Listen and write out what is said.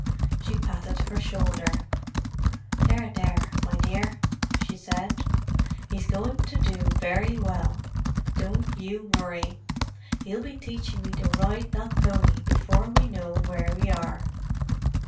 She patted her shoulder. "There—there, my dear!" she said. "He's going to do very well. Don't you worry. He'll be teaching me to ride that pony before we know where we are."